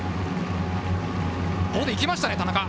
ここでいきましたね、田中。